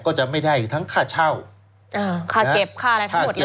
ก็จะไม่ได้ทั้งค่าเช่าค่าเก็บค่าอะไรทั้งหมดเลย